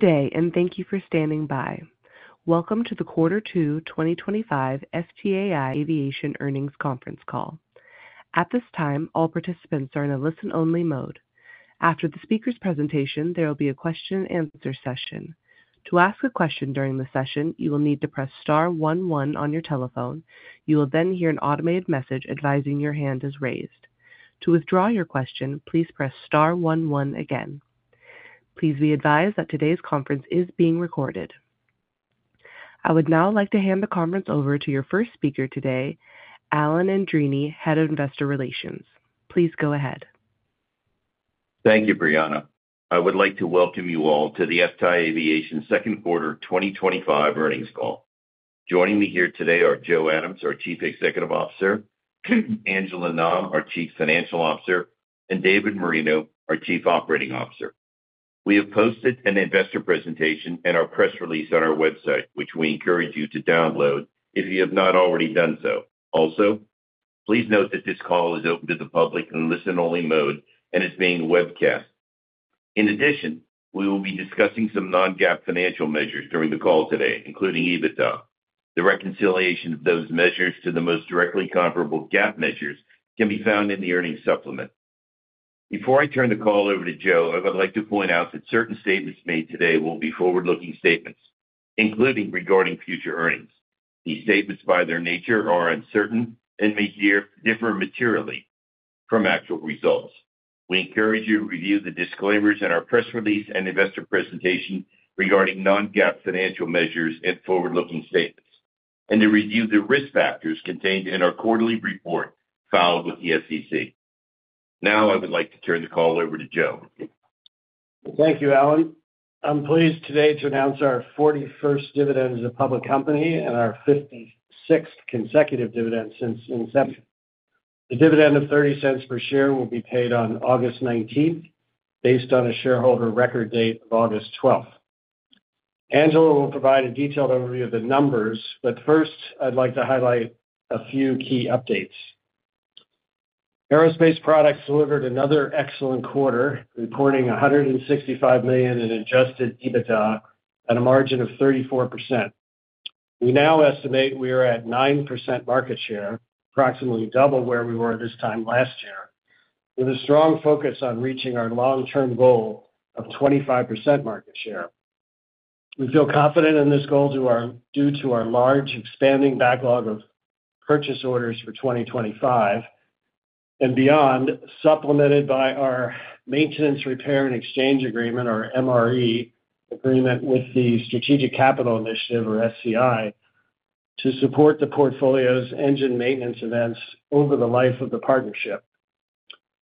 Good day, and thank you for standing by. Welcome to the Quarter Two 2025 FTAI Aviation Earnings Conference Call. At this time, all participants are in a listen-only mode. After the speaker's presentation, there will be a question-and-answer session. To ask a question during the session, you will need to press star one one on your telephone. You will then hear an automated message advising your hand is raised. To withdraw your question, please press star one one again. Please be advised that today's conference is being recorded. I would now like to hand the conference over to your first speaker today, Alan Andreini, Head of Investor Relations. Please go ahead. Thank you, Brianna. I would like to welcome you all to the FTAI Aviation Second Quarter 2025 Earnings Call. Joining me here today are Joe Adams, our Chief Executive Officer, Angela Nam, our Chief Financial Officer, and David Moreno, our Chief Operating Officer. We have posted an investor presentation and our press release on our website, which we encourage you to download if you have not already done so. Also, please note that this call is open to the public in a listen-only mode and is being webcast. In addition, we will be discussing some non-GAAP financial measures during the call today, including EBITDA. The reconciliation of those measures to the most directly comparable GAAP measures can be found in the earnings supplement. Before I turn the call over to Joe, I would like to point out that certain statements made today will be forward-looking statements, including regarding future earnings. These statements, by their nature, are uncertain and may differ materially from actual results. We encourage you to review the disclaimers in our press release and investor presentation regarding non-GAAP financial measures and forward-looking statements, and to review the risk factors contained in our quarterly report filed with the SEC. Now, I would like to turn the call over to Joe. Thank you, Alan. I'm pleased today to announce our 41st dividend as a public company and our 56th consecutive dividend since inception. The dividend of $0.30 per share will be paid on August 19th, based on a shareholder record date of August 12th. Angela will provide a detailed overview of the numbers, but first, I'd like to highlight a few key updates. Aerospace products delivered another excellent quarter, reporting $165 million in adjusted EBITDA at a margin of 34%. We now estimate we are at 9% market share, approximately double where we were this time last year, with a strong focus on reaching our long-term goal of 25% market share. We feel confident in this goal due to our large expanding backlog of purchase orders for 2025 and beyond, supplemented by our Maintenance, Repair, and Exchange Agreement, or MRE, agreement with the Strategic Capital Initiative, or SCI, to support the portfolio's engine maintenance events over the life of the partnership.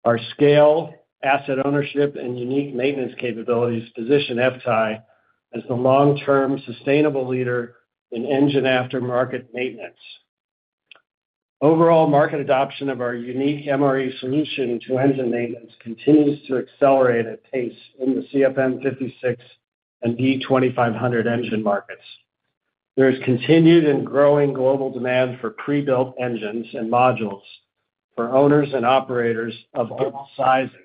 Our scale, asset ownership, and unique maintenance capabilities position FTAI as the long-term sustainable leader in engine aftermarket maintenance. Overall, market adoption of our unique MRE solution to engine maintenance continues to accelerate at pace in the CFM56 and V2500 engine markets. There is continued and growing global demand for pre-built engines and modules for owners and operators of all sizes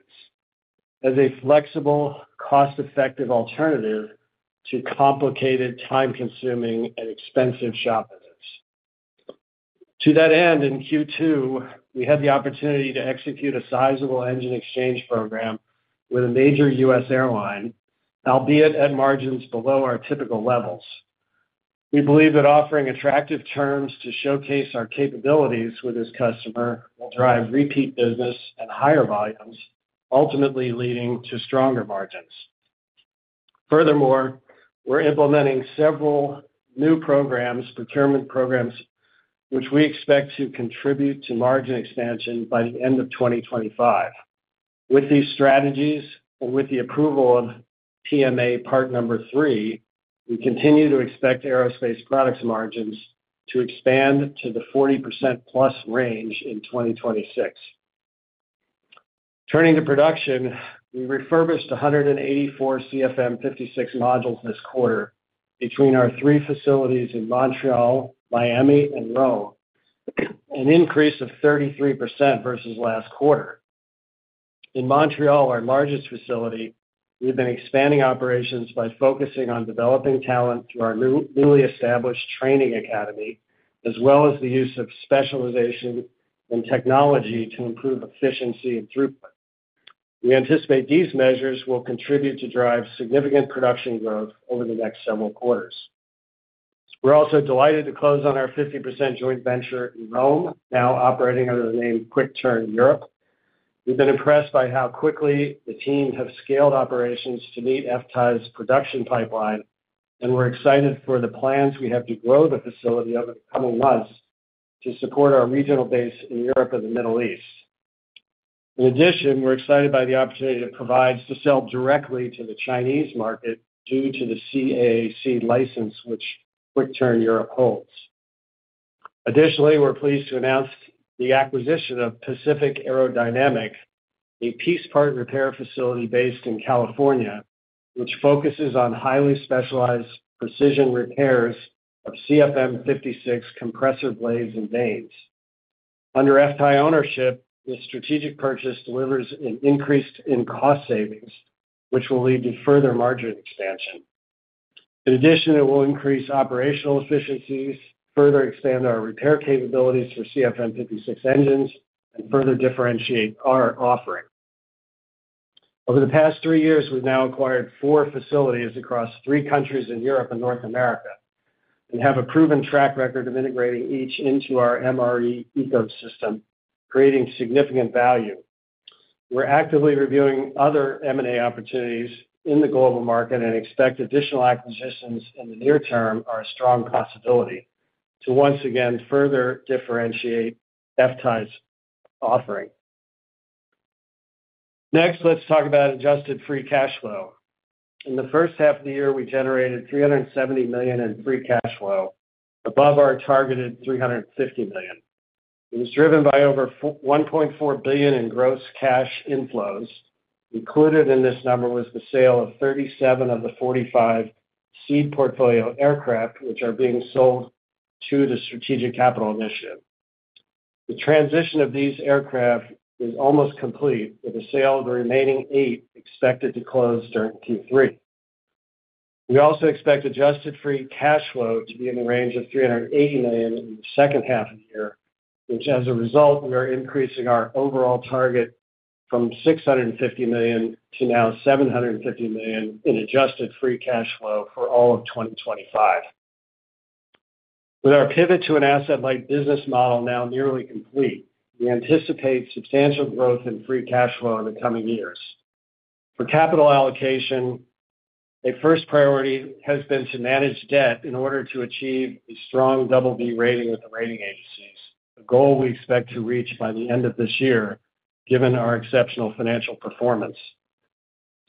as a flexible, cost-effective alternative to complicated, time-consuming, and expensive shop visits. To that end, in Q2, we had the opportunity to execute a sizable engine exchange program with a major U.S. airline, albeit at margins below our typical levels. We believe that offering attractive terms to showcase our capabilities with this customer will drive repeat business and higher volumes, ultimately leading to stronger margins. Furthermore, we're implementing several new procurement programs, which we expect to contribute to margin expansion by the end of 2025. With these strategies and with the approval of PMA part number three, we continue to expect aerospace products' margins to expand to the 40%+ range in 2026. Turning to production, we refurbished 184 CFM56 modules this quarter between our three facilities in Montreal, Miami, and Rome, an increase of 33% versus last quarter. In Montreal, our largest facility, we've been expanding operations by focusing on developing talent through our newly established training academy, as well as the use of specialization and technology to improve efficiency and throughput. We anticipate these measures will contribute to drive significant production growth over the next several quarters. We're also delighted to close on our 50% joint venture in Rome, now operating under the name QuickTurn Europe. We've been impressed by how quickly the team have scaled operations to meet FTAI's production pipeline, and we're excited for the plans we have to grow the facility over the coming months to support our regional base in Europe and the Middle East. In addition, we're excited by the opportunity to sell directly to the Chinese market due to the CAAC license which QuickTurn Europe holds. Additionally, we're pleased to announce the acquisition of Pacific Aerodynamic, a piece-part repair facility based in California, which focuses on highly specialized precision repairs of CFM56 compressor blades and vanes. Under FTAI ownership, this strategic purchase delivers an increase in cost savings, which will lead to further margin expansion. In addition, it will increase operational efficiencies, further expand our repair capabilities for CFM56 engines, and further differentiate our offering. Over the past three years, we've now acquired four facilities across three countries in Europe and North America and have a proven track record of integrating each into our MRE ecosystem, creating significant value. We're actively reviewing other M&A opportunities in the global market and expect additional acquisitions in the near term are a strong possibility to once again further differentiate FTAI's offering. Next, let's talk about adjusted free cash flow. In the first half of the year, we generated $370 million in free cash flow above our targeted $350 million. It was driven by over $1.4 billion in gross cash inflows. Included in this number was the sale of 37 of the 45 seed portfolio aircraft, which are being sold to the Strategic Capital Initiative. The transition of these aircraft is almost complete, with the sale of the remaining eight expected to close during Q3. We also expect adjusted free cash flow to be in the range of $380 million in the second half of the year, which, as a result, we are increasing our overall target from $650 million to now $750 million in adjusted free cash flow for all of 2025. With our pivot to an asset-light business model now nearly complete, we anticipate substantial growth in free cash flow in the coming years. For capital allocation, a first priority has been to manage debt in order to achieve a strong BB rating with the rating agencies, a goal we expect to reach by the end of this year, given our exceptional financial performance.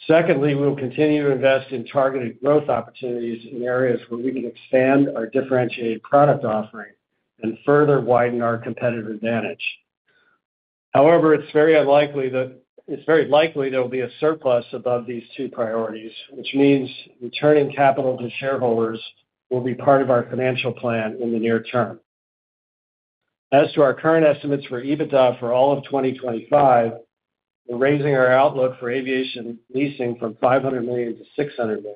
Secondly, we will continue to invest in targeted growth opportunities in areas where we can expand our differentiated product offering and further widen our competitive advantage. However, it's very likely there will be a surplus above these two priorities, which means returning capital to shareholders will be part of our financial plan in the near term. As to our current estimates for EBITDA for all of 2025, we're raising our outlook for aviation leasing from $500 million to $600 million,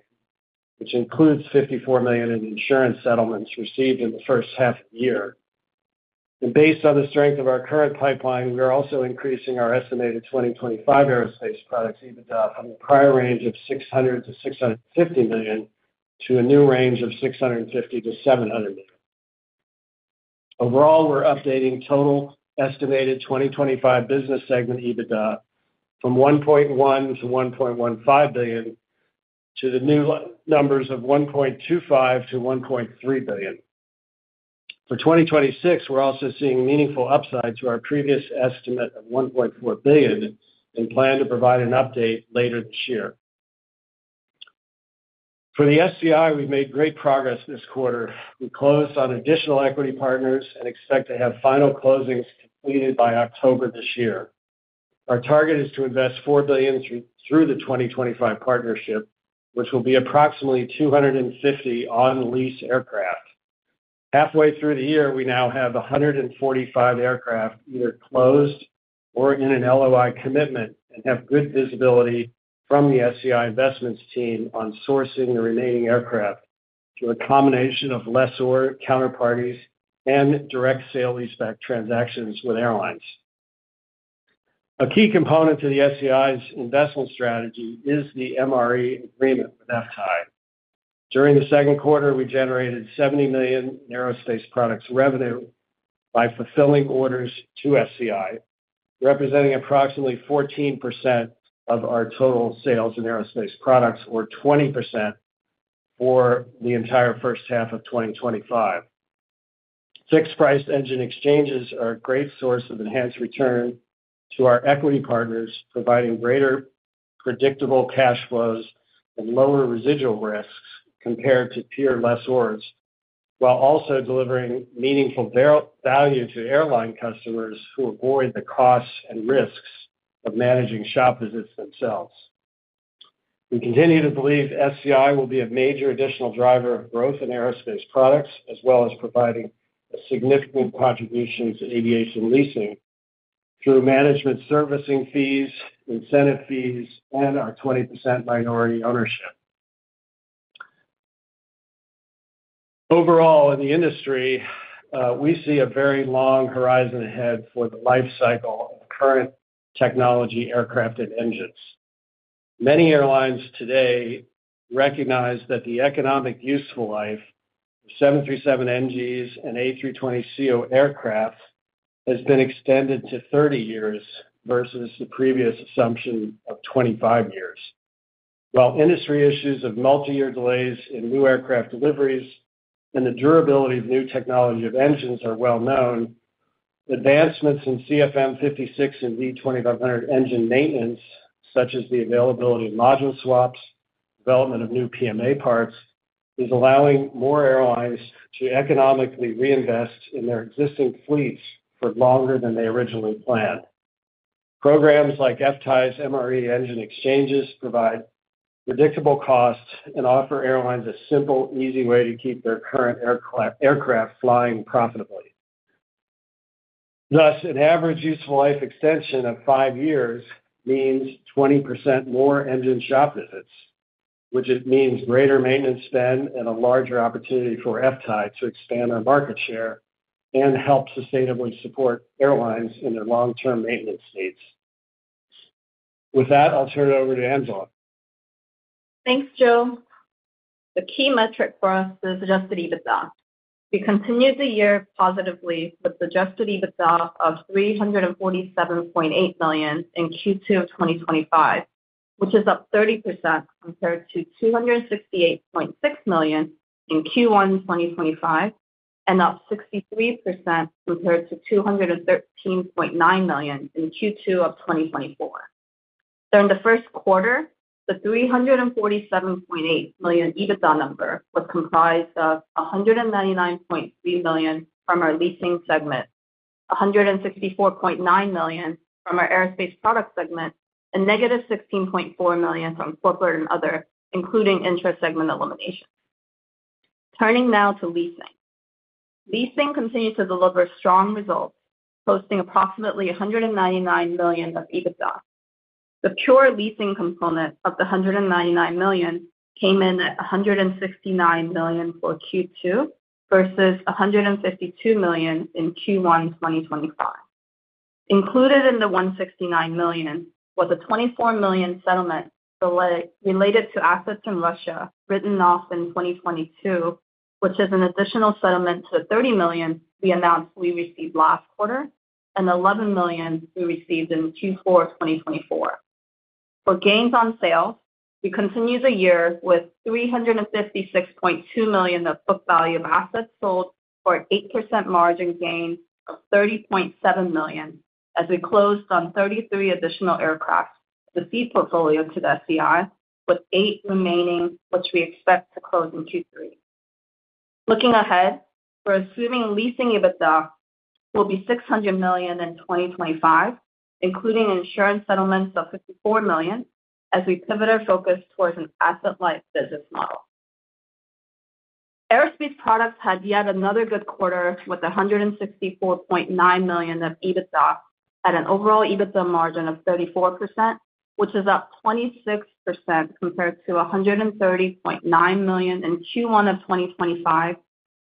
which includes $54 million in insurance settlements received in the first half of the year. Based on the strength of our current pipeline, we are also increasing our estimated 2025 aerospace products EBITDA from the prior range of $600 million-$650 million to a new range of $650 million-$700 million. Overall, we're updating total estimated 2025 business segment EBITDA from $1.1 billion to $1.15 billion to the new numbers of $1.25 billion to $1.3 billion. For 2026, we're also seeing meaningful upside to our previous estimate of $1.4 billion and plan to provide an update later this year. For the SCI, we've made great progress this quarter. We closed on additional equity partners and expect to have final closings completed by October this year. Our target is to invest $4 billion through the 2025 partnership, which will be approximately 250 on-lease aircraft. Halfway through the year, we now have 145 aircraft either closed or in an LOI commitment and have good visibility from the SCI investments team on sourcing the remaining aircraft through a combination of lessor counterparties and direct sale leaseback transactions with airlines. A key component to the SCI's investment strategy is the MRE agreement with FTAI. During the second quarter, we generated $70 million in aerospace products revenue by fulfilling orders to SCI, representing approximately 14% of our total sales in aerospace products, or 20% for the entire first half of 2025. Fixed-priced engine exchanges are a great source of enhanced return to our equity partners, providing greater predictable cash flows and lower residual risks compared to peer lessors, while also delivering meaningful value to airline customers who avoid the costs and risks of managing shop visits themselves. We continue to believe SCI will be a major additional driver of growth in aerospace products, as well as providing a significant contribution to aviation leasing through management servicing fees, incentive fees, and our 20% minority ownership. Overall, in the industry, we see a very long horizon ahead for the lifecycle of current technology aircraft and engines. Many airlines today recognize that the economic useful life of 737NGs and A320ceo aircraft has been extended to 30 years versus the previous assumption of 25 years. While industry issues of multi-year delays in new aircraft deliveries and the durability of new technology of engines are well known. Advancements in CFM56 and V2500 engine maintenance, such as the availability of module swaps, development of new PMA parts, is allowing more airlines to economically reinvest in their existing fleets for longer than they originally planned. Programs like FTAI's MRE engine exchanges provide predictable costs and offer airlines a simple, easy way to keep their current aircraft flying profitably. Thus, an average useful life extension of five years means 20% more engine shop visits, which means greater maintenance spend and a larger opportunity for FTAI to expand our market share and help sustainably support airlines in their long-term maintenance needs. With that, I'll turn it over to Angela. Thanks, Joe. The key metric for us is adjusted EBITDA. We continued the year positively with adjusted EBITDA of $347.8 million in Q2 of 2025, which is up 30% compared to $268.6 million in Q1 of 2025 and up 63% compared to $213.9 million in Q2 of 2024. During the first quarter, the $347.8 million EBITDA number was comprised of $199.3 million from our leasing segment, $164.9 million from our aerospace product segment, and -$16.4 million from corporate and other, including interest segment elimination. Turning now to leasing. Leasing continued to deliver strong results, posting approximately $199 million of EBITDA. The pure leasing component of the $199 million came in at $169 million for Q2 versus $152 million in Q1 2025. Included in the $169 million was a $24 million settlement related to assets in Russia written off in 2022, which is an additional settlement to the $30 million we announced we received last quarter and the $11 million we received in Q4 of 2024. For gains on sales, we continued the year with $356.2 million of book value of assets sold for an 8% margin gain of $30.7 million as we closed on 33 additional aircraft to feed portfolio to the SCI, with eight remaining which we expect to close in Q3. Looking ahead, we're assuming leasing EBITDA will be $600 million in 2025, including insurance settlements of $54 million as we pivot our focus towards an asset-light business model. Aerospace products had yet another good quarter with $164.9 million of EBITDA at an overall EBITDA margin of 34%, which is up 26% compared to $130.9 million in Q1 of 2025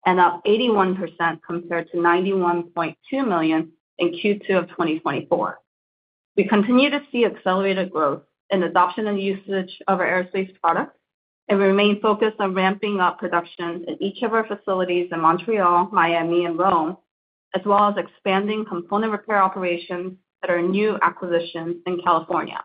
and up 81% compared to $91.2 million in Q2 of 2024. We continue to see accelerated growth in adoption and usage of our aerospace products and remain focused on ramping up production in each of our facilities in Montreal, Miami, and Rome, as well as expanding component repair operations at our new acquisition in California.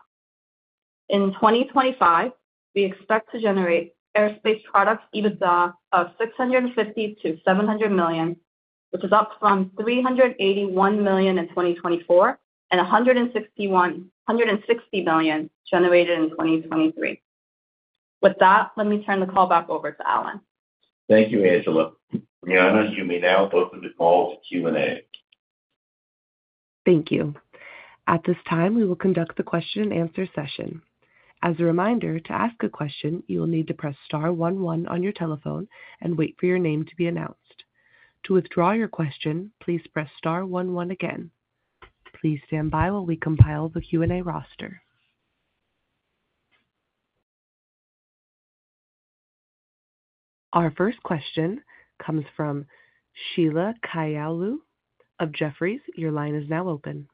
In 2025, we expect to generate aerospace products EBITDA of $650 million-$700 million, which is up from $381 million in 2024 and $160 million generated in 2023. With that, let me turn the call back over to Alan. Thank you, Angela. For the unanimous union now, open the call to Q&A. Thank you. At this time, we will conduct the question-and-answer session. As a reminder, to ask a question, you will need to press star one one on your telephone and wait for your name to be announced. To withdraw your question, please press star one one again. Please stand by while we compile the Q&A roster. Our first question comes from Sheila Kahyaoglu of Jefferies. Your line is now open.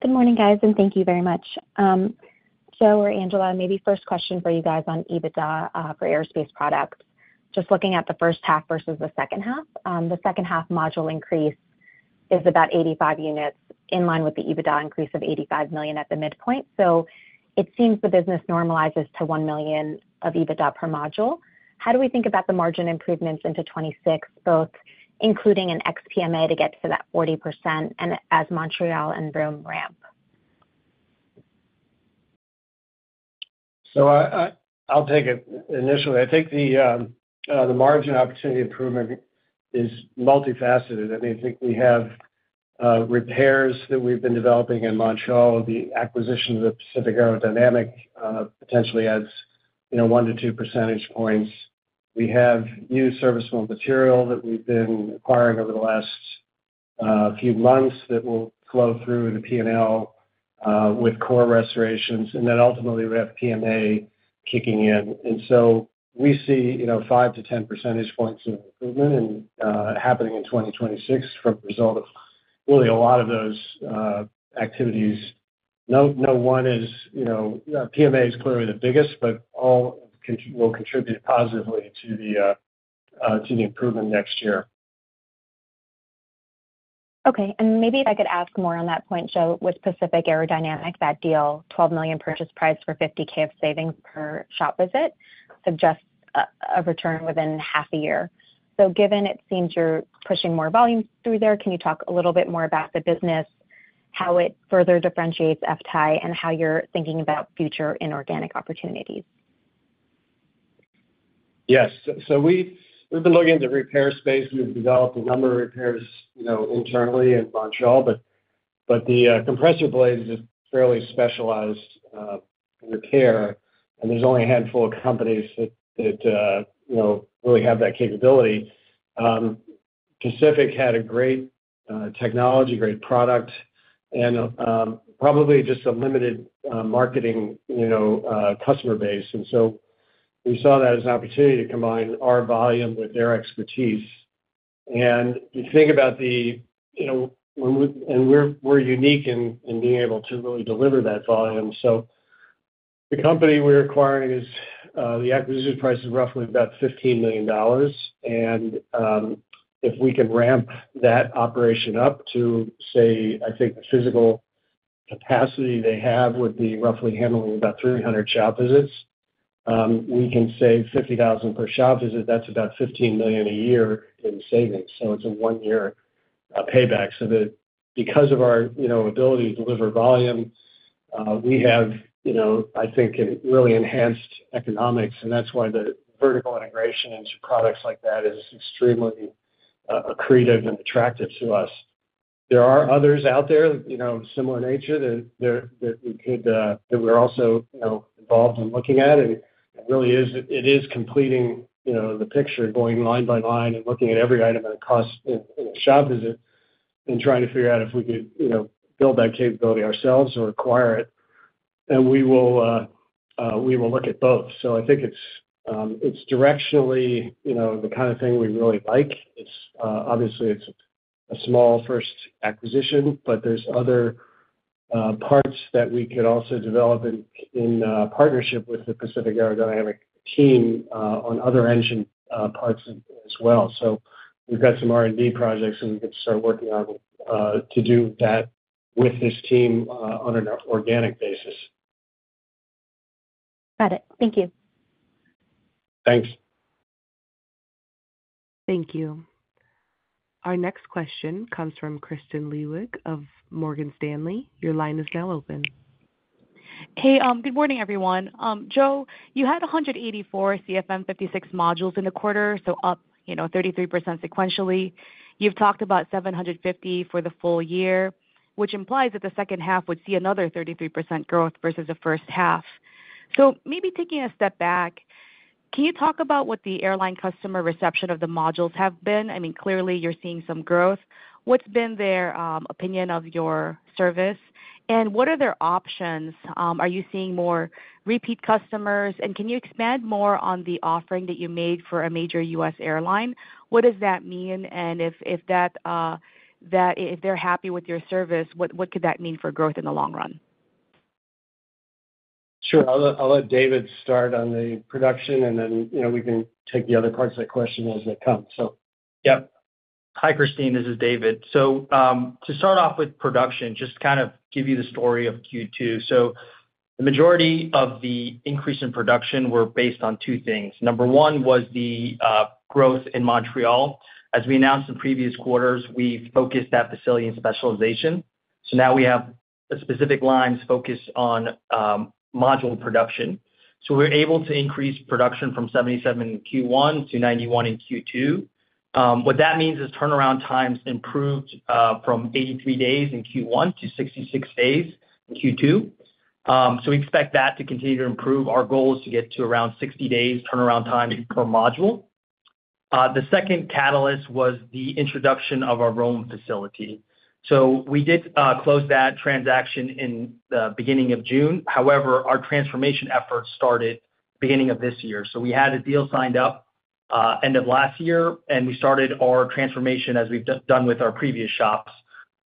Good morning, guys, and thank you very much. Joe, or Angela, maybe first question for you guys on EBITDA for aerospace products. Just looking at the first half versus the second half, the second half module increase is about 85 units in line with the EBITDA increase of $85 million at the midpoint. It seems the business normalizes to $1 million of EBITDA per module. How do we think about the margin improvements into 2026, both including and ex-PMA to get to that 40% and as Montreal and Rome ramp? I'll take it initially. I think the margin opportunity improvement is multifaceted. I mean, I think we have repairs that we've been developing in Montreal, the acquisition of Pacific Aerodynamic potentially adds one to two percentage points. We have new serviceable material that we've been acquiring over the last few months that will flow through the P&L with core restorations. Ultimately, we have PMA kicking in. We see five to 10 percentage points of improvement happening in 2026 from the result of really a lot of those activities. No one is—PMA is clearly the biggest, but all will contribute positively to the improvement next year. Okay. Maybe if I could ask more on that point, Joe, with Pacific Aerodynamic, that deal, $12 million purchase price for $50,000 of savings per shop visit suggests a return within half a year. Given it seems you're pushing more volume through there, can you talk a little bit more about the business? How it further differentiates FTAI and how you're thinking about future inorganic opportunities? Yes. So we've been looking at the repair space. We've developed a number of repairs internally in Montreal, but the compressor blades are fairly specialized repair, and there's only a handful of companies that really have that capability. Pacific had a great technology, great product, and probably just a limited marketing customer base. We saw that as an opportunity to combine our volume with their expertise. You think about the, and we're unique in being able to really deliver that volume. The company we're acquiring, the acquisition price is roughly about $15 million. If we can ramp that operation up to, say, I think the physical capacity they have would be roughly handling about 300 shop visits. We can save $50,000 per shop visit. That's about $15 million a year in savings. It's a one-year payback. Because of our ability to deliver volume, we have, I think, really enhanced economics. That's why the vertical integration into products like that is extremely accretive and attractive to us. There are others out there of similar nature that we're also involved in looking at. It is completing the picture, going line by line and looking at every item and the cost in a shop visit and trying to figure out if we could build that capability ourselves or acquire it. We will look at both. I think it's directionally the kind of thing we really like. Obviously, it's a small first acquisition, but there are other parts that we could also develop in partnership with the Pacific Aerodynamic team on other engine parts as well. We've got some R&D projects that we can start working on to do that with this team on an organic basis. Got it. Thank you. Thanks. Thank you. Our next question comes from Kristine Liwag of Morgan Stanley. Your line is now open. Hey, good morning, everyone. Joe, you had 184 CFM56 modules in the quarter, so up 33% sequentially. You've talked about 750 for the full year, which implies that the second half would see another 33% growth versus the first half. Maybe taking a step back. Can you talk about what the airline customer reception of the modules has been? I mean, clearly, you're seeing some growth. What's been their opinion of your service? What are their options? Are you seeing more repeat customers? Can you expand more on the offering that you made for a major U.S. airline? What does that mean? If they're happy with your service, what could that mean for growth in the long run? Sure. I'll let David start on the production, and then we can take the other parts of that question as they come. Yep. Hi, Kristine. This is David. To start off with production, just to kind of give you the story of Q2. The majority of the increase in production were based on two things. Number one was the growth in Montreal. As we announced in previous quarters, we focused that facility and specialization. Now we have specific lines focused on module production. We were able to increase production from 77 in Q1 to 91 in Q2. What that means is turnaround times improved from 83 days in Q1 to 66 days in Q2. We expect that to continue to improve. Our goal is to get to around 60 days turnaround time per module. The second catalyst was the introduction of our Rome facility. We did close that transaction in the beginning of June. However, our transformation effort started beginning of this year. We had a deal signed up end of last year, and we started our transformation as we have done with our previous shops,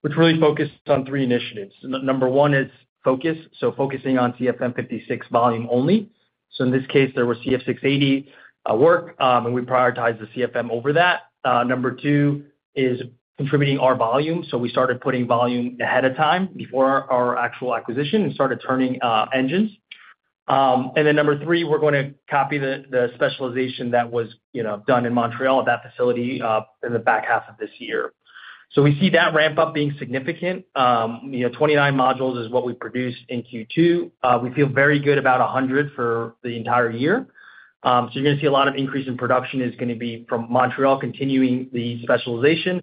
which really focused on three initiatives. Number one is focus, so focusing on CFM56 volume only. In this case, there were CF6-80 work, and we prioritized the CFM over that. Number two is contributing our volume. We started putting volume ahead of time before our actual acquisition and started turning engines. Number three, we are going to copy the specialization that was done in Montreal, that facility, in the back half of this year. We see that ramp-up being significant. Twenty-nine modules is what we produced in Q2. We feel very good about 100 for the entire year. You are going to see a lot of increase in production is going to be from Montreal continuing the specialization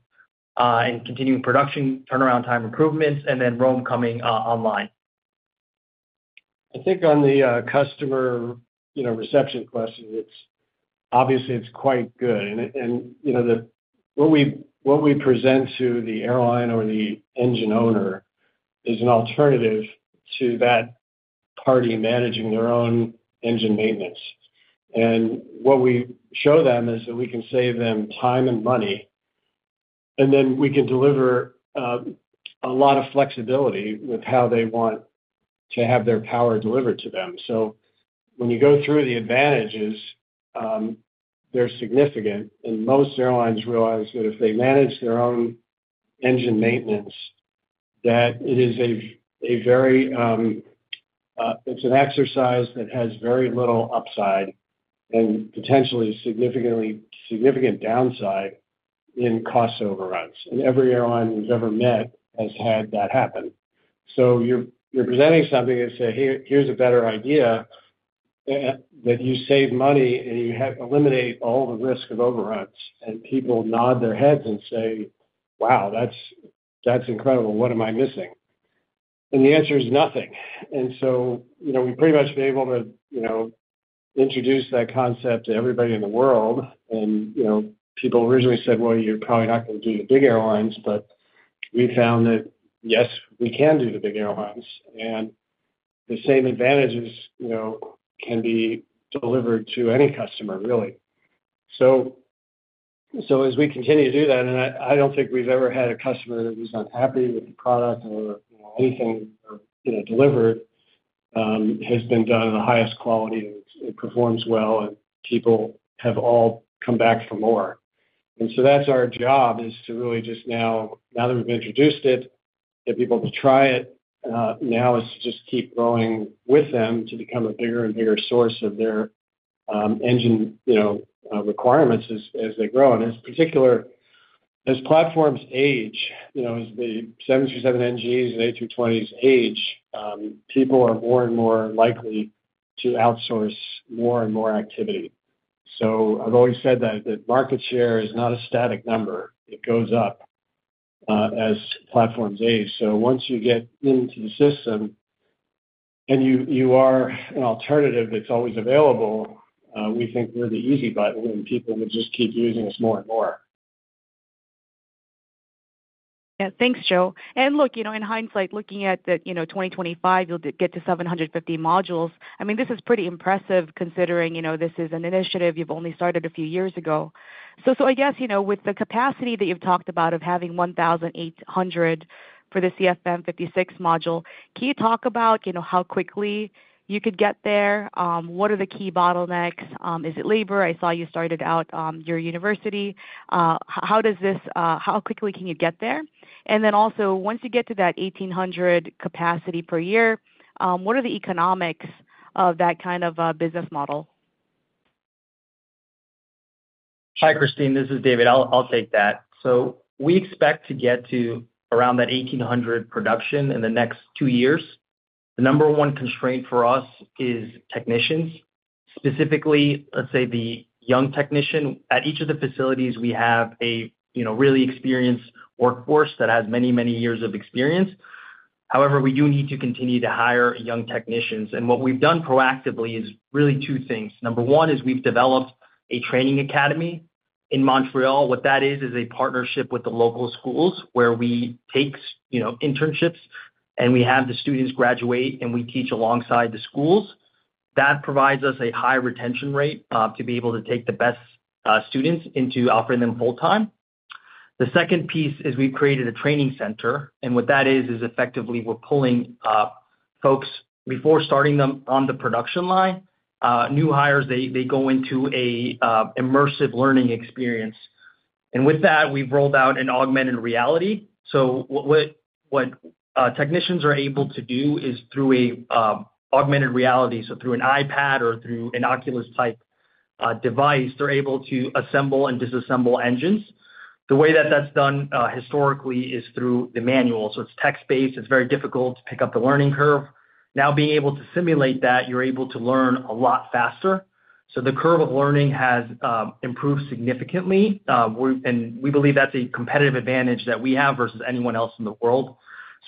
and continuing production turnaround time improvements, and then Rome coming online. I think on the customer reception question, obviously, it's quite good. What we present to the airline or the engine owner is an alternative to that party managing their own engine maintenance. What we show them is that we can save them time and money. We can deliver a lot of flexibility with how they want to have their power delivered to them. When you go through the advantages, they're significant. Most airlines realize that if they manage their own engine maintenance, it is a very—it's an exercise that has very little upside and potentially significant downside in cost overruns. Every airline we've ever met has had that happen. You're presenting something and say, "Here's a better idea. You save money and you eliminate all the risk of overruns." People nod their heads and say, "Wow, that's incredible. What am I missing?" The answer is nothing. We pretty much have been able to introduce that concept to everybody in the world. People originally said, "Well, you're probably not going to do the big airlines." We found that, yes, we can do the big airlines. The same advantages can be delivered to any customer, really. As we continue to do that, I don't think we've ever had a customer that was unhappy with the product or anything delivered. It has been done in the highest quality and performs well, and people have all come back for more. That's our job, is to really just now, now that we've introduced it, get people to try it. Now is to just keep growing with them to become a bigger and bigger source of their engine requirements as they grow. In particular, as platforms age, as the 737NGs and A320ceos age, people are more and more likely to outsource more and more activity. I've always said that market share is not a static number. It goes up as platforms age. Once you get into the system and you are an alternative that's always available, we think we're the easy button, and people will just keep using us more and more. Yeah. Thanks, Joe. Look, in hindsight, looking at the 2025, you'll get to 750 modules. I mean, this is pretty impressive considering this is an initiative you've only started a few years ago. I guess with the capacity that you've talked about of having 1,800 for the CFM56 module, can you talk about how quickly you could get there? What are the key bottlenecks? Is it labor? I saw you started out your university. How quickly can you get there? Also, once you get to that 1,800 capacity per year, what are the economics of that kind of business model? Hi, Kristine. This is David. I'll take that. We expect to get to around that 1,800 production in the next two years. The number one constraint for us is technicians, specifically, let's say, the young technician. At each of the facilities, we have a really experienced workforce that has many, many years of experience. However, we do need to continue to hire young technicians. What we've done proactively is really two things. Number one is we've developed a training academy in Montreal. What that is, is a partnership with the local schools where we take internships, and we have the students graduate, and we teach alongside the schools. That provides us a high retention rate to be able to take the best students into offering them full-time. The second piece is we've created a training center. What that is, is effectively we're pulling folks before starting them on the production line. New hires, they go into an immersive learning experience. With that, we've rolled out an augmented reality. What technicians are able to do is through an augmented reality, so through an iPad or through an oculus-type device, they're able to assemble and disassemble engines. The way that that's done historically is through the manual. It's text-based. It's very difficult to pick up the learning curve. Now, being able to simulate that, you're able to learn a lot faster. The curve of learning has improved significantly. We believe that's a competitive advantage that we have versus anyone else in the world.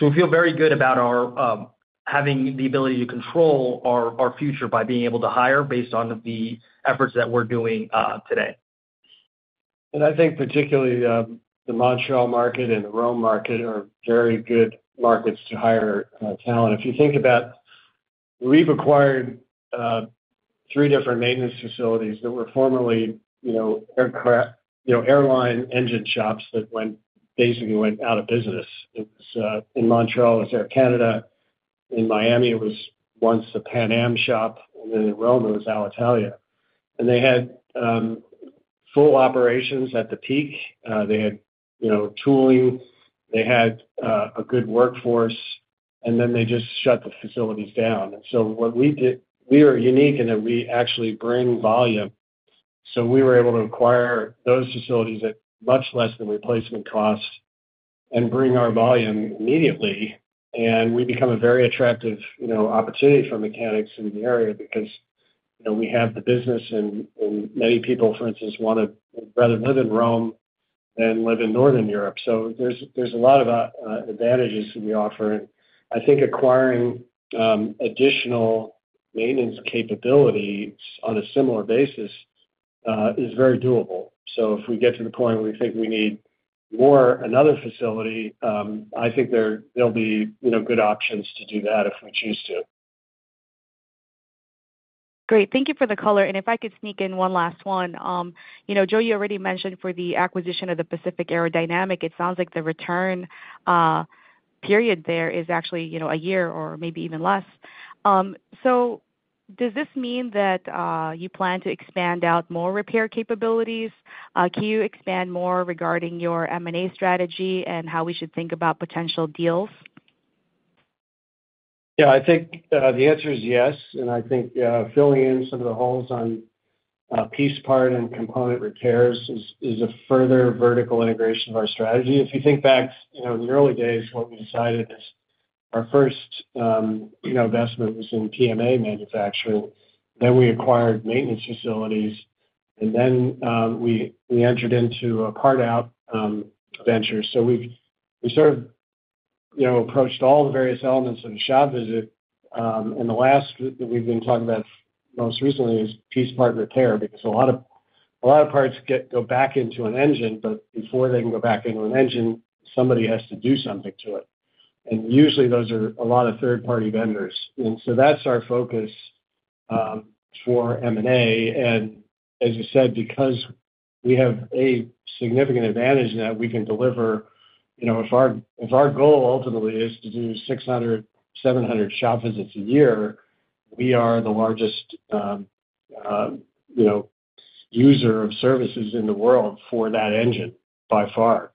We feel very good about having the ability to control our future by being able to hire based on the efforts that we're doing today. I think particularly the Montreal market and the Rome market are very good markets to hire talent. If you think about it, we've acquired three different maintenance facilities that were formerly airline engine shops that basically went out of business. It was in Montreal, it was Air Canada. In Miami, it was once a Pan Am shop. In Rome, it was Alitalia. They had full operations at the peak. They had tooling. They had a good workforce. Then they just shut the facilities down. What we did, we are unique in that we actually bring volume. We were able to acquire those facilities at much less than replacement cost and bring our volume immediately. We become a very attractive opportunity for mechanics in the area because we have the business. Many people, for instance, would rather live in Rome than live in Northern Europe. There are a lot of advantages that we offer. I think acquiring additional maintenance capabilities on a similar basis is very doable. If we get to the point where we think we need another facility, I think there will be good options to do that if we choose to. Great. Thank you for the color. If I could sneak in one last one. Joe, you already mentioned for the acquisition of Pacific Aerodynamic, it sounds like the return period there is actually a year or maybe even less. Does this mean that you plan to expand out more repair capabilities? Can you expand more regarding your M&A strategy and how we should think about potential deals? Yeah. I think the answer is yes. I think filling in some of the holes on piece part and component repairs is a further vertical integration of our strategy. If you think back in the early days, what we decided is our first investment was in PMA manufacturing. Then we acquired maintenance facilities. Then we entered into a part-out venture. We sort of approached all the various elements of a shop visit. The last that we've been talking about most recently is piece part repair because a lot of parts go back into an engine. Before they can go back into an engine, somebody has to do something to it. Usually, those are a lot of third-party vendors. That is our focus for M&A. As you said, because we have a significant advantage in that we can deliver, if our goal ultimately is to do 600-700 shop visits a year, we are the largest user of services in the world for that engine by far.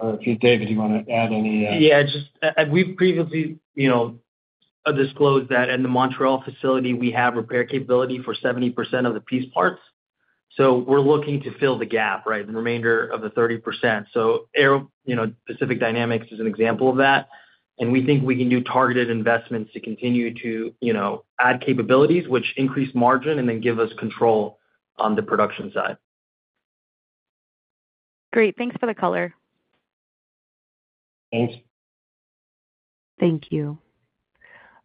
I do not know if David, you want to add any? Yeah. We've previously disclosed that in the Montreal facility, we have repair capability for 70% of the piece parts. We're looking to fill the gap, the remainder of the 30%. Pacific Aerodynamic is an example of that. We think we can do targeted investments to continue to add capabilities, which increase margin and then give us control on the production side. Great. Thanks for the color. Thanks. Thank you.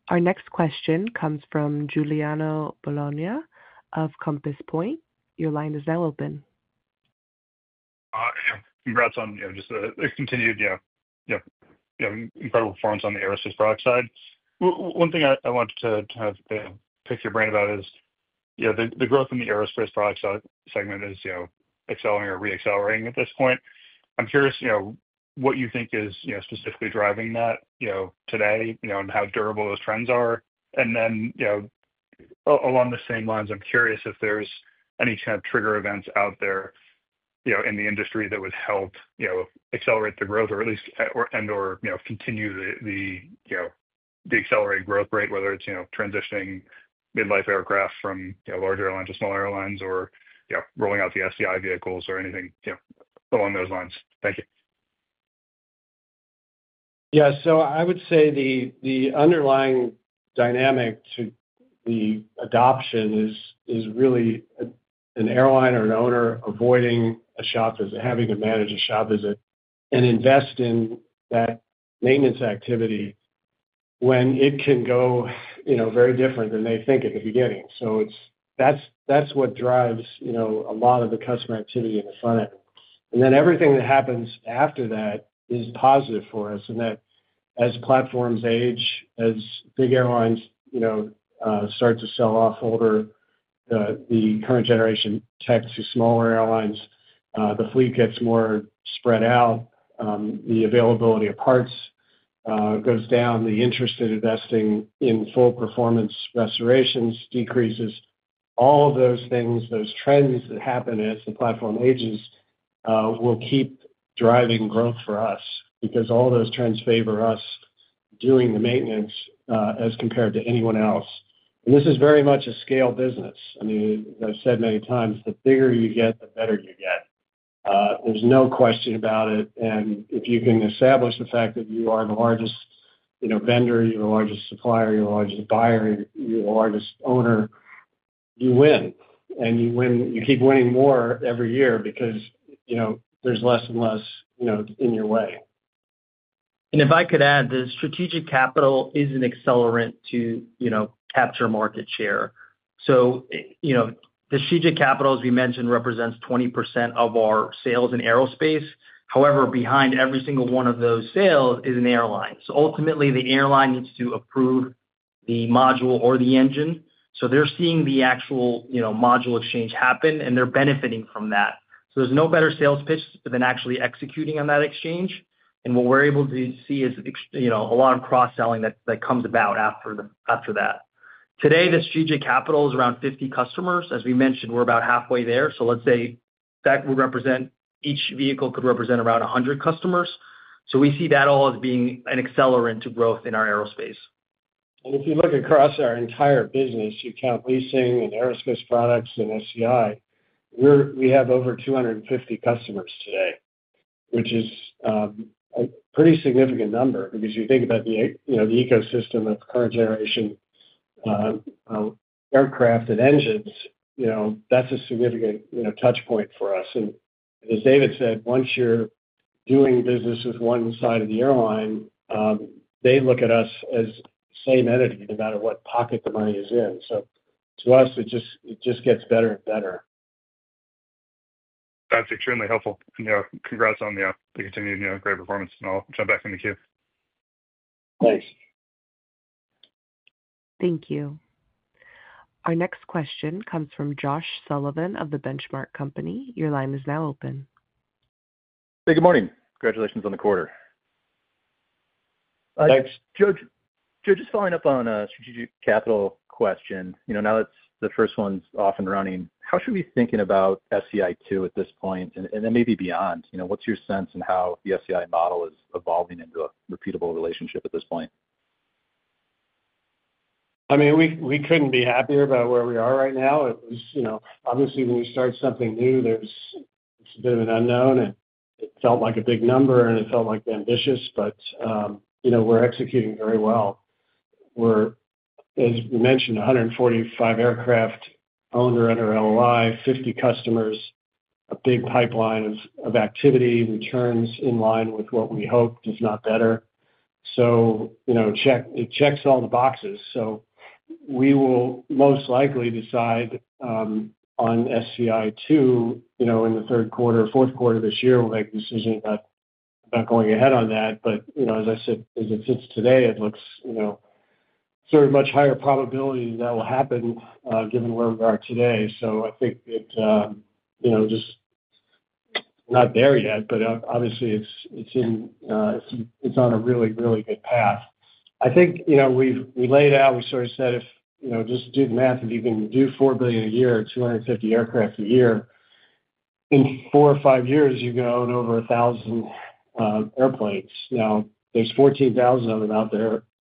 Our next question comes from Giuliano Bologna of Compass Point. Your line is now open. Congrats on just the continued, yeah, incredible performance on the aerospace product side. One thing I wanted to kind of pick your brain about is the growth in the aerospace product segment is accelerating or re-accelerating at this point. I'm curious what you think is specifically driving that today and how durable those trends are? Along the same lines, I'm curious if there's any kind of trigger events out there in the industry that would help accelerate the growth or at least and/or continue the accelerated growth rate, whether it's transitioning mid-life aircraft from larger airlines to smaller airlines or rolling out the SDI vehicles or anything along those lines? Thank you. Yeah. I would say the underlying dynamic to the adoption is really an airline or an owner avoiding a shop visit, having to manage a shop visit, and invest in that maintenance activity when it can go very different than they think at the beginning. That's what drives a lot of the customer activity in the front end. Everything that happens after that is positive for us in that as platforms age, as big airlines start to sell off older, the current-generation tech to smaller airlines, the fleet gets more spread out. The availability of parts goes down. The interest in investing in full-performance restorations decreases. All of those things, those trends that happen as the platform ages, will keep driving growth for us because all those trends favor us doing the maintenance as compared to anyone else. This is very much a scale business. I mean, as I've said many times, the bigger you get, the better you get. There's no question about it. If you can establish the fact that you are the largest vendor, you're the largest supplier, you're the largest buyer, you're the largest owner, you win. You keep winning more every year because there's less and less in your way. If I could add, the strategic capital is an accelerant to capture market share. The strategic capital, as we mentioned, represents 20% of our sales in aerospace. However, behind every single one of those sales is an airline. Ultimately, the airline needs to approve the module or the engine. They are seeing the actual module exchange happen, and they are benefiting from that. There is no better sales pitch than actually executing on that exchange. What we are able to see is a lot of cross-selling that comes about after that. Today, the strategic capital is around 50 customers. As we mentioned, we are about halfway there. Let's say that would represent each vehicle could represent around 100 customers. We see that all as being an accelerant to growth in our aerospace. If you look across our entire business, you count leasing and aerospace products and SDI, we have over 250 customers today, which is a pretty significant number because you think about the ecosystem of current-generation aircraft and engines, that's a significant touchpoint for us. As David said, once you're doing business with one side of the airline, they look at us as the same entity no matter what pocket the money is in. To us, it just gets better and better. That's extremely helpful. Congrats on the continued great performance. I'll jump back in the queue. Thanks. Thank you. Our next question comes from Josh Sullivan of The Benchmark Company. Your line is now open. Hey, good morning. Congratulations on the quarter. Thanks. Joe, just following up on a strategic capital question. Now that the first one's off and running, how should we be thinking about SCI II at this point? And then maybe beyond. What's your sense in how the SCI model is evolving into a repeatable relationship at this point? I mean, we couldn't be happier about where we are right now. Obviously, when you start something new, there's a bit of an unknown. It felt like a big number, and it felt like ambitious. We're executing very well. We're, as we mentioned, 145 aircraft owned or under LOI, 50 customers, a big pipeline of activity, returns in line with what we hope, if not better. It checks all the boxes. We will most likely decide on SCI II in the third quarter or fourth quarter of this year. We'll make a decision about going ahead on that. As I said, as it sits today, it looks sort of much higher probability that that will happen given where we are today. I think it just, not there yet. Obviously, it's on a really, really good path. I think we laid out, we sort of said, "Just do the math. If you can do $4 billion a year, 250 aircraft a year, in four or five years, you're going to own over 1,000 airplanes." Now, there's 14,000 of them out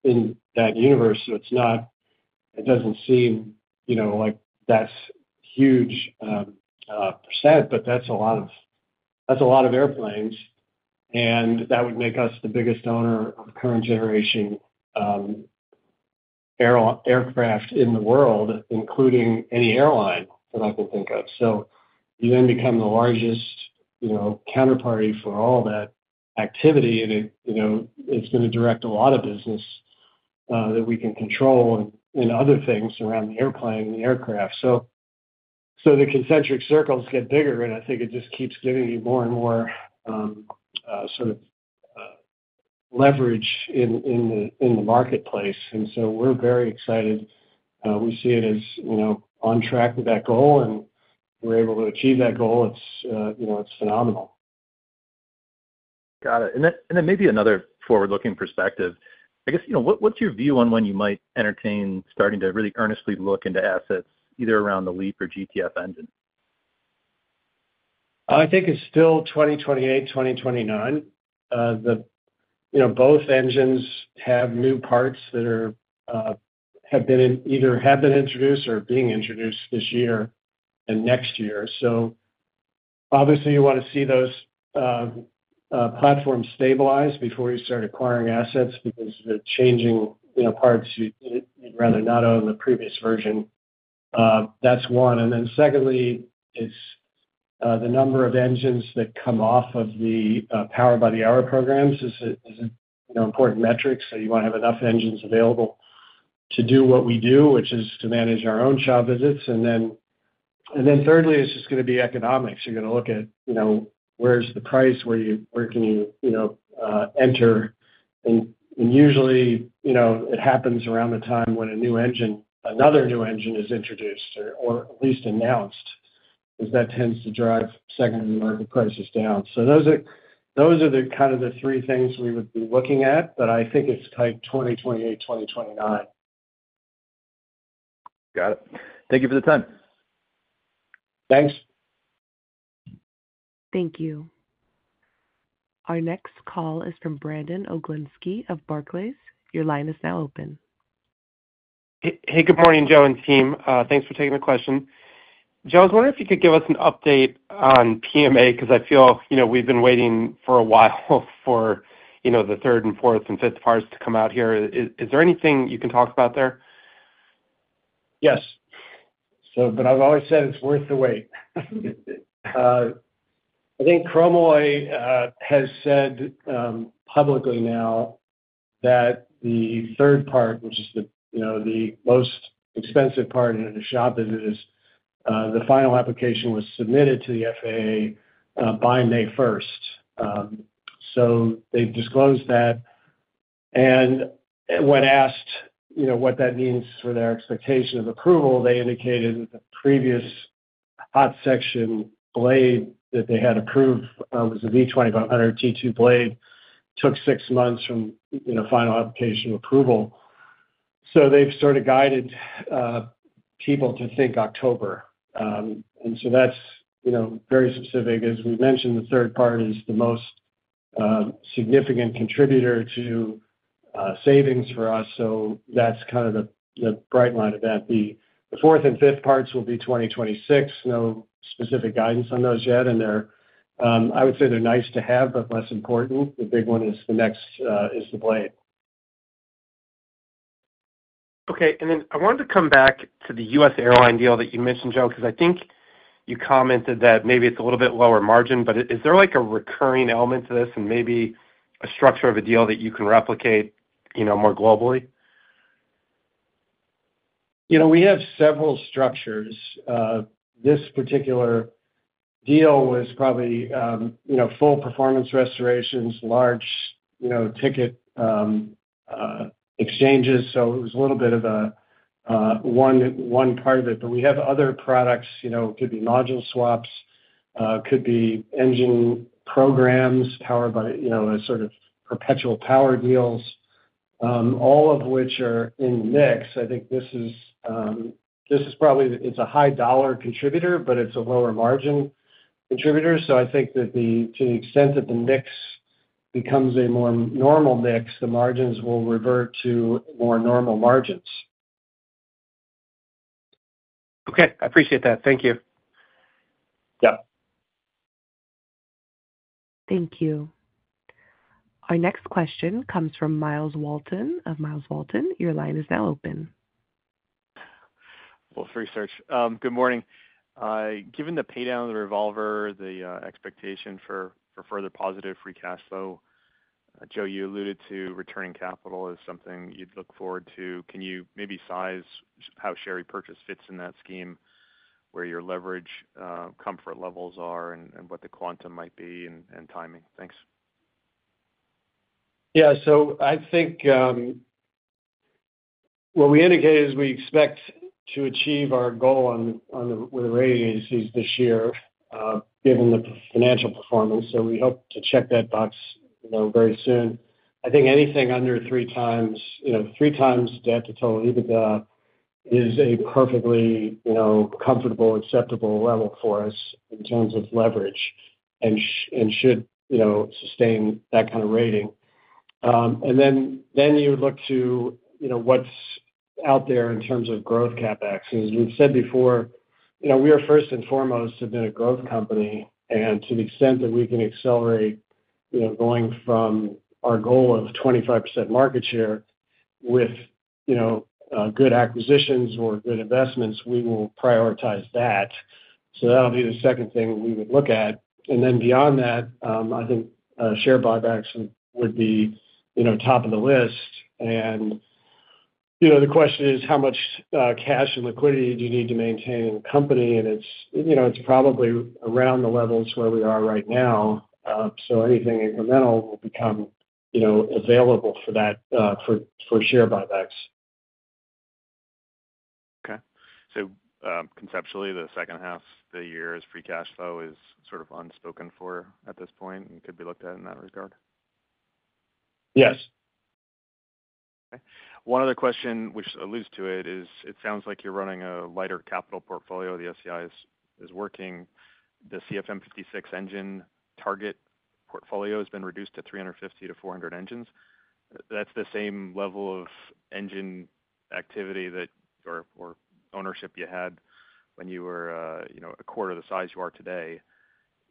there in that universe. It doesn't seem like that's a huge percent, but that's a lot of airplanes. That would make us the biggest owner of current-generation aircraft in the world, including any airline that I can think of. You then become the largest counterparty for all that activity. It's going to direct a lot of business that we can control and other things around the airplane and the aircraft. The concentric circles get bigger. I think it just keeps giving you more and more sort of leverage in the marketplace. We're very excited. We see it as on track with that goal. We're able to achieve that goal. It's phenomenal. Got it. And then maybe another forward-looking perspective. I guess, what's your view on when you might entertain starting to really earnestly look into assets, either around the LEAP or GTF engine? I think it's still 2028, 2029. Both engines have new parts that have been introduced or are being introduced this year and next year. Obviously, you want to see those platforms stabilize before you start acquiring assets because they're changing parts you'd rather not own the previous version. That's one. Secondly, it's the number of engines that come off of the power-by-the-hour programs. It's an important metric. You want to have enough engines available to do what we do, which is to manage our own shop visits. Thirdly, it's just going to be economics. You're going to look at where's the price, where can you enter, and usually, it happens around the time when another new engine is introduced or at least announced, because that tends to drive segment market prices down. Those are kind of the three things we would be looking at. I think it's tight 2028, 2029. Got it. Thank you for the time. Thanks. Thank you. Our next call is from Brandon Oglenski of Barclays. Your line is now open. Hey, good morning, Joe and team. Thanks for taking the question. Joe, I was wondering if you could give us an update on PMA because I feel we've been waiting for a while for the third and fourth and fifth parts to come out here. Is there anything you can talk about there? Yes. I've always said it's worth the wait. I think Chromalloy has said publicly now that the third part, which is the most expensive part in a shop visit, is the final application was submitted to the FAA by May 1. They disclosed that. When asked what that means for their expectation of approval, they indicated that the previous hot section blade that they had approved was a V2500 T2 blade, took six months from final application approval. They've sort of guided people to think October. That is very specific. As we mentioned, the third part is the most significant contributor to savings for us. That is kind of the bright line of that. The fourth and fifth parts will be 2026. No specific guidance on those yet. I would say they're nice to have, but less important. The big one is the next is the blade. Okay. I wanted to come back to the U.S. airline deal that you mentioned, Joe, because I think you commented that maybe it's a little bit lower margin. Is there a recurring element to this and maybe a structure of a deal that you can replicate more globally? We have several structures. This particular deal was probably full-performance restorations, large-ticket exchanges. It was a little bit of one part of it, but we have other products. It could be module swaps. It could be engine programs, power by sort of perpetual power deals, all of which are in the mix. I think this is probably a high-dollar contributor, but it's a lower-margin contributor. I think that to the extent that the mix becomes a more normal mix, the margins will revert to more normal margins. Okay. I appreciate that. Thank you. Yeah. Thank you. Our next question comes from Myles Walton of Myles Walton. Your line is now open. Wolfe Research. Good morning. Given the paydown of the revolver, the expectation for further positive free cash flow. Joe, you alluded to returning capital as something you'd look forward to. Can you maybe size how share repurchase fits in that scheme, where your leverage comfort levels are and what the quantum might be and timing? Thanks. Yeah. So I think what we indicate is we expect to achieve our goal with the rating agencies this year, given the financial performance. So we hope to check that box very soon. I think anything under three times debt to total EBITDA is a perfectly comfortable, acceptable level for us in terms of leverage and should sustain that kind of rating. You would look to what's out there in terms of growth CapEx. As we've said before, we are first and foremost, have been a growth company. To the extent that we can accelerate going from our goal of 25% market share with good acquisitions or good investments, we will prioritize that. That'll be the second thing we would look at. Beyond that, I think share buybacks would be top of the list. The question is, how much cash and liquidity do you need to maintain in the company? It's probably around the levels where we are right now. Anything incremental will become available for share buybacks. Okay. So conceptually, the second half of the year's free cash flow is sort of unspoken for at this point and could be looked at in that regard? Yes. Okay. One other question which alludes to it is it sounds like you're running a lighter capital portfolio. The SCI is working. The CFM56 engine target portfolio has been reduced to 350-400 engines. That's the same level of engine activity or ownership you had when you were a quarter of the size you are today.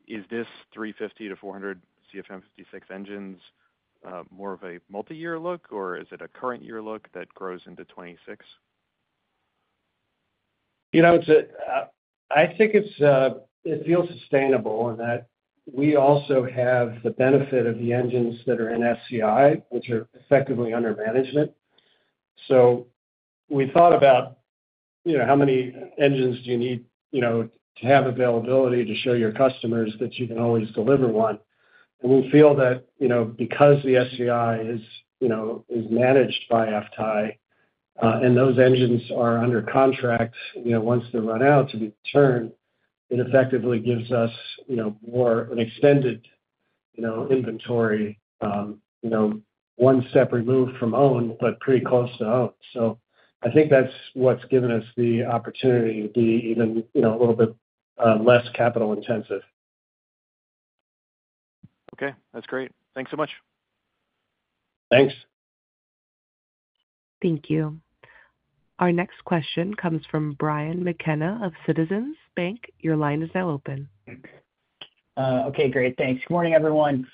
Is this 350-400 CFM56 engines more of a multi-year look, or is it a current-year look that grows into 2026? I think it feels sustainable in that we also have the benefit of the engines that are in SCI, which are effectively under management. We thought about how many engines do you need to have availability to show your customers that you can always deliver one. We feel that because the SCI is managed by FTAI and those engines are under contract once they're run out to be turned, it effectively gives us more of an extended inventory, one step removed from owned, but pretty close to owned. I think that's what's given us the opportunity to be even a little bit less capital-intensive. Okay. That's great. Thanks so much. Thanks. Thank you. Our next question comes from Brian McKenna of Citizens Bank. Your line is now open. Okay. Great. Thanks. Good morning, everyone.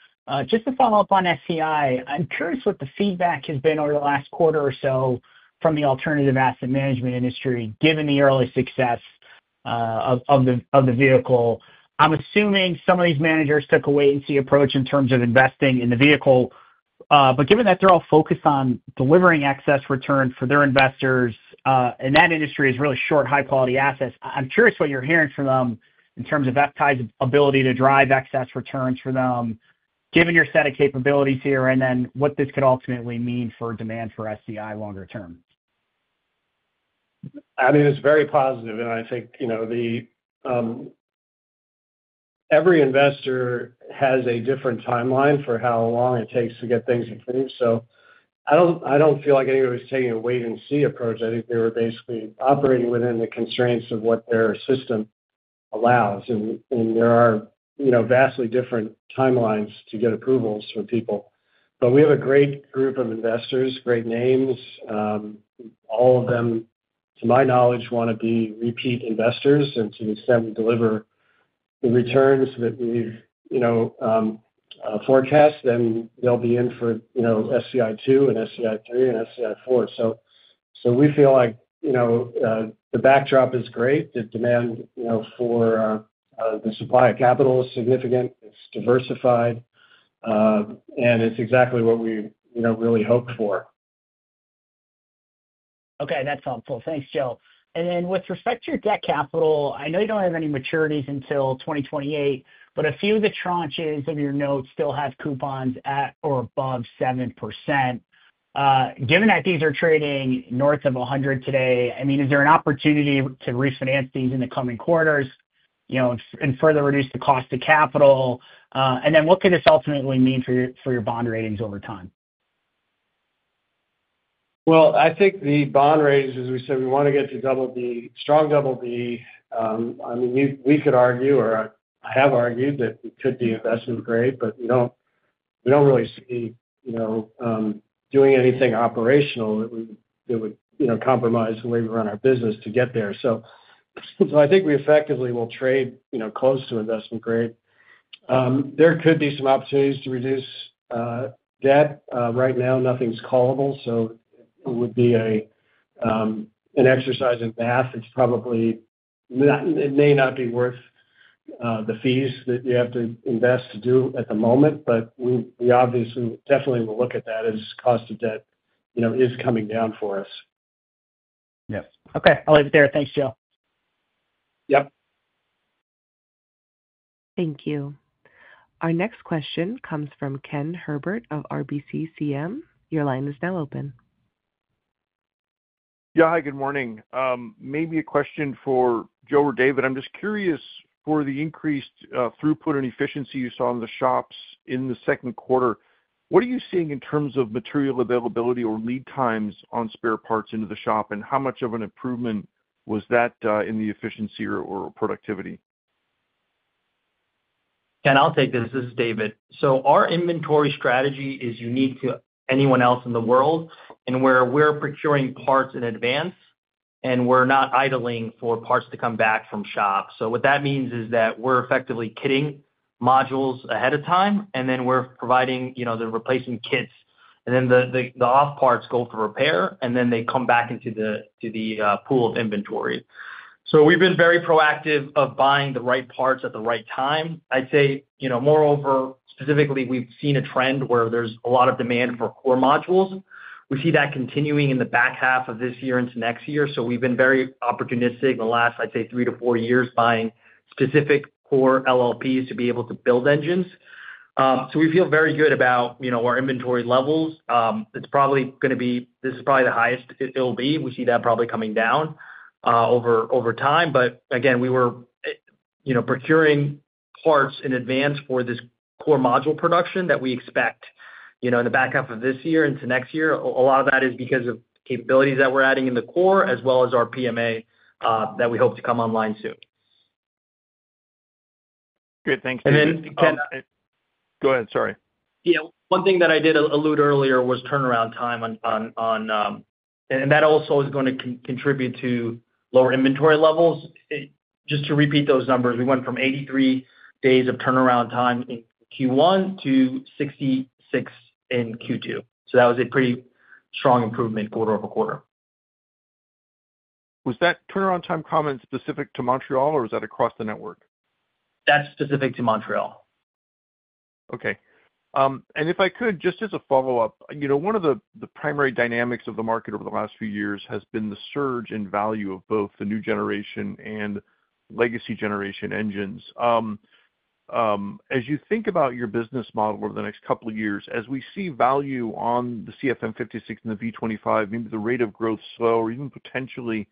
Just to follow up on SCI, I'm curious what the feedback has been over the last quarter or so from the alternative asset management industry, given the early success of the vehicle. I'm assuming some of these managers took a wait-and-see approach in terms of investing in the vehicle. Given that they're all focused on delivering excess return for their investors, and that industry is really short high-quality assets, I'm curious what you're hearing from them in terms of FTAI's ability to drive excess returns for them, given your set of capabilities here, and then what this could ultimately mean for demand for SCI longer term? I mean, it's very positive. I think every investor has a different timeline for how long it takes to get things approved. I don't feel like anybody was taking a wait-and-see approach. I think they were basically operating within the constraints of what their system allows. There are vastly different timelines to get approvals from people. We have a great group of investors, great names. All of them, to my knowledge, want to be repeat investors. To the extent we deliver the returns that we've forecast, then they'll be in for SCI II and SCI III and SCI IV. We feel like the backdrop is great. The demand for the supply of capital is significant. It's diversified. It's exactly what we really hoped for. Okay. That's helpful. Thanks, Joe. And then with respect to your debt capital, I know you don't have any maturities until 2028, but a few of the tranches of your notes still have coupons at or above 7%. Given that these are trading north of 100 today, I mean, is there an opportunity to refinance these in the coming quarters and further reduce the cost of capital? And then what could this ultimately mean for your bond ratings over time? I think the bond ratings, as we said, we want to get to BB, strong BB. I mean, we could argue or I have argued that we could be investment grade, but we do not really see doing anything operational that would compromise the way we run our business to get there. I think we effectively will trade close to investment grade. There could be some opportunities to reduce debt. Right now, nothing is callable. It would be an exercise in math. It may not be worth the fees that you have to invest to do at the moment. We obviously definitely will look at that as cost of debt is coming down for us. Yes. Okay. I'll leave it there. Thanks, Joe. Yep. Thank you. Our next question comes from Ken Herbert of RBC CM. Your line is now open. Yeah. Hi. Good morning. Maybe a question for Joe or David. I'm just curious for the increased throughput and efficiency you saw in the shops in the second quarter. What are you seeing in terms of material availability or lead times on spare parts into the shop? How much of an improvement was that in the efficiency or productivity? Ken, I'll take this. This is David. Our inventory strategy is unique to anyone else in the world, and where we're procuring parts in advance, and we're not idling for parts to come back from shop. What that means is that we're effectively kitting modules ahead of time, and then we're providing the replacement kits. Then the off parts go for repair, and then they come back into the pool of inventory. We've been very proactive of buying the right parts at the right time. I'd say, moreover, specifically, we've seen a trend where there's a lot of demand for core modules. We see that continuing in the back half of this year into next year. We've been very opportunistic in the last, I'd say, three to four years buying specific core LLPs to be able to build engines. We feel very good about our inventory levels. It's probably going to be, this is probably the highest it'll be. We see that probably coming down over time. Again, we were procuring parts in advance for this core module production that we expect in the back half of this year into next year. A lot of that is because of capabilities that we're adding in the core, as well as our PMA that we hope to come online soon. And then, Ken. Go ahead. Sorry. Yeah. One thing that I did allude earlier was turnaround time. That also is going to contribute to lower inventory levels. Just to repeat those numbers, we went from 83 days of turnaround time in Q1 to 66 in Q2. That was a pretty strong improvement quarter-over-quarter. Was that turnaround time comment specific to Montreal, or was that across the network? That's specific to Montreal. Okay. If I could, just as a follow-up, one of the primary dynamics of the market over the last few years has been the surge in value of both the new generation and legacy generation engines. As you think about your business model over the next couple of years, as we see value on the CFM56 and the V2500, maybe the rate of growth slow or even potentially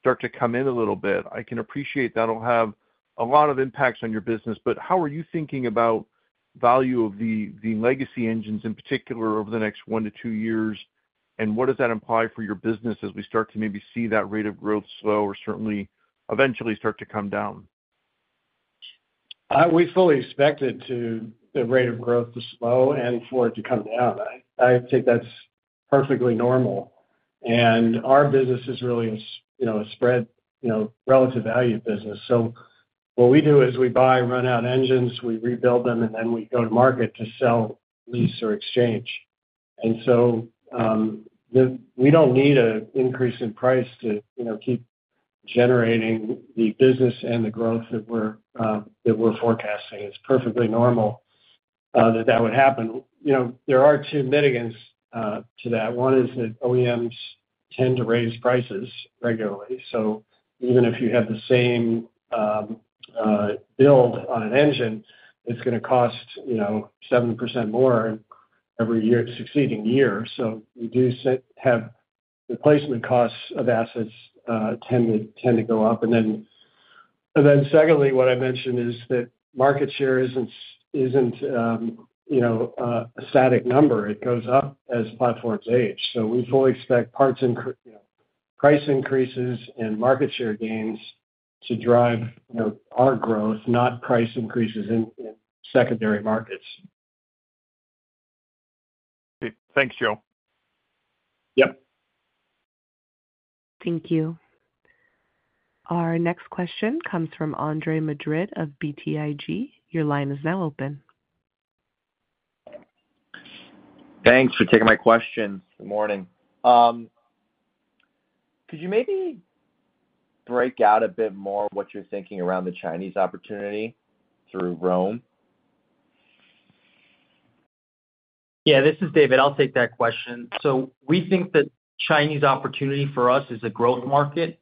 start to come in a little bit, I can appreciate that'll have a lot of impacts on your business. How are you thinking about value of the legacy engines in particular over the next one to two years, and what does that imply for your business as we start to maybe see that rate of growth slow or certainly eventually start to come down? We fully expect the rate of growth to slow and for it to come down. I think that's perfectly normal. Our business is really a spread relative value business. What we do is we buy run-out engines, we rebuild them, and then we go to market to sell, lease, or exchange. We do not need an increase in price to keep generating the business and the growth that we're forecasting. It's perfectly normal that that would happen. There are two mitigants to that. One is that OEMs tend to raise prices regularly. Even if you have the same build on an engine, it's going to cost 7% more every succeeding year. We do have replacement costs of assets that tend to go up. Secondly, what I mentioned is that market share is not a static number. It goes up as platforms age. We fully expect price increases and market share gains to drive our growth, not price increases in secondary markets. Thanks, Joe. Yep. Thank you. Our next question comes from Andre Madrid of BTIG. Your line is now open. Thanks for taking my question. Good morning. Could you maybe break out a bit more what you're thinking around the Chinese opportunity through Rome? Yeah. This is David. I'll take that question. We think the Chinese opportunity for us is a growth market.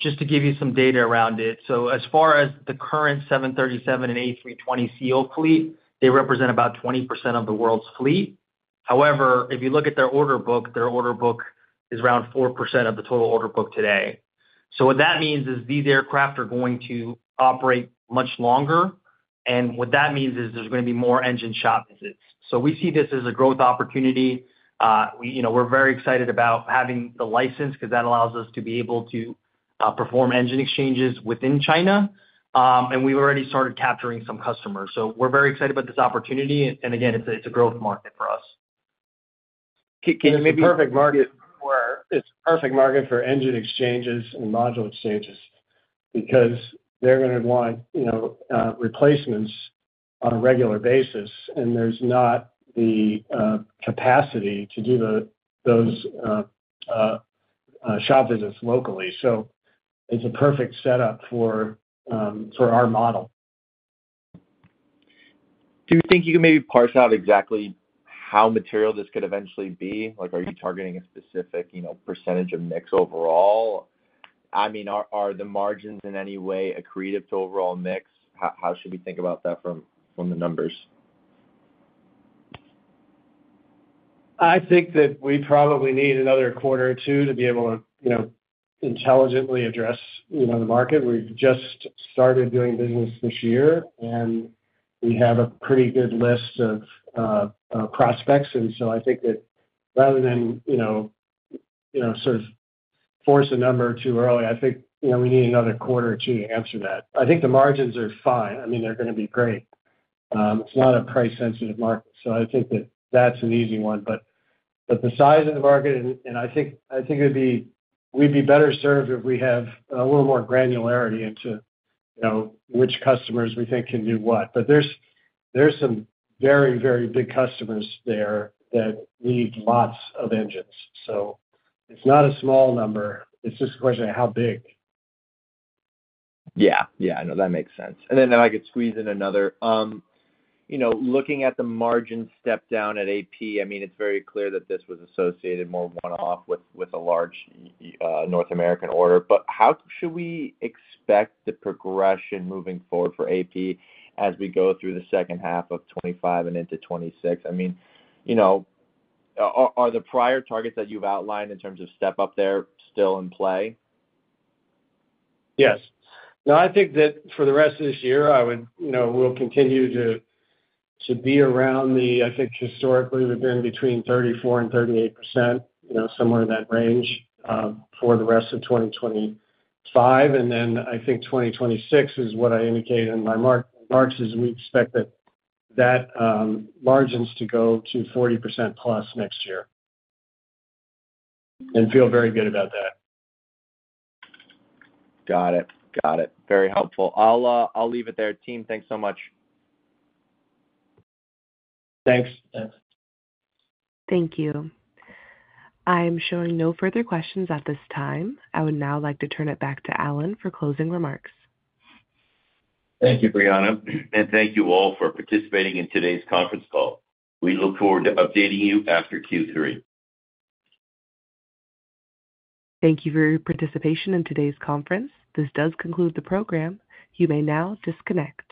Just to give you some data around it. As far as the current 737 and A320ceo fleet, they represent about 20% of the world's fleet. However, if you look at their order book, their order book is around 4% of the total order book today. What that means is these aircraft are going to operate much longer. What that means is there's going to be more engine shop visits. We see this as a growth opportunity. We're very excited about having the license because that allows us to be able to perform engine exchanges within China. We've already started capturing some customers. We're very excited about this opportunity. Again, it's a growth market for us. It's a perfect market for engine exchanges and module exchanges because they're going to want replacements on a regular basis. And there's not the capacity to do those shop visits locally. It's a perfect setup for our model. Do you think you can maybe parse out exactly how material this could eventually be? Are you targeting a specific percentage of mix overall? I mean, are the margins in any way accretive to overall mix? How should we think about that from the numbers? I think that we probably need another quarter or two to be able to intelligently address the market. We've just started doing business this year, and we have a pretty good list of prospects. I think that rather than sort of force a number too early, I think we need another quarter or two to answer that. I think the margins are fine. I mean, they're going to be great. It's not a price-sensitive market. I think that that's an easy one. The size of the market, I think we'd be better served if we have a little more granularity into which customers we think can do what. There are some very, very big customers there that need lots of engines. It's not a small number. It's just a question of how big. Yeah. Yeah. I know that makes sense. Then I could squeeze in another. Looking at the margin step down at AP, I mean, it's very clear that this was associated more one-off with a large North American order. How should we expect the progression moving forward for AP as we go through the second half of 2025 and into 2026? I mean, are the prior targets that you've outlined in terms of step up there still in play? Yes. No, I think that for the rest of this year, we'll continue to be around the, I think historically, we've been between 34% and 38%, somewhere in that range for the rest of 2025. I think 2026 is what I indicated in my marks is we expect that margins to go to 40% plus next year. I feel very good about that. Got it. Got it. Very helpful. I'll leave it there. Team, thanks so much. Thanks. Thank you. I am showing no further questions at this time. I would now like to turn it back to Alan for closing remarks. Thank you, Brianna. Thank you all for participating in today's conference call. We look forward to updating you after Q3. Thank you for your participation in today's conference. This does conclude the program. You may now disconnect.